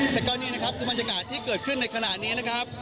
แต่ก็นี่นะครับคือบรรยากาศที่เกิดขึ้นในขณะนี้นะครับ